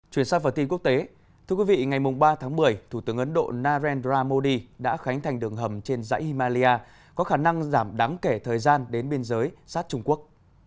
chuyển sang phần tin quốc tế thưa quý vị ngày ba tháng một mươi thủ tướng ấn độ narendra modi đã khánh thành đường hầm trên dãy himalaya có khả năng giảm đáng kể thời gian đến biên giới sát trung quốc